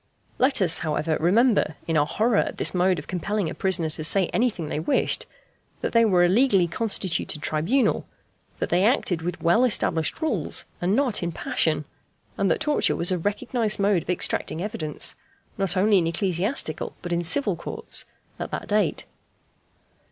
Let us, however, remember in our horror at this mode of compelling a prisoner to say anything they wished, that they were a legally constituted tribunal; that they acted with well established rules, and not in passion; and that torture was a recognized mode of extracting evidence, not only in ecclesiastical but in civil courts, at that date.